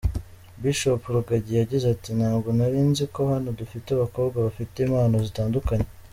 Bishop Rugagi yagize ati: “Ntabwo nari nzi ko hano dufite abakobwa bafite impano zitandukanye.